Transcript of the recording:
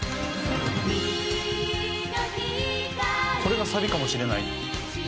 「これがサビかもしれない」